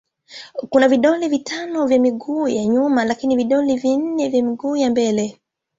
Kuna vidole vitano kwa miguu ya nyuma lakini vidole vinne kwa miguu ya mbele.